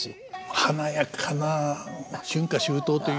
華やかな「春夏秋冬」という。